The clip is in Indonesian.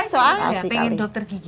soalnya pengen dokter gigi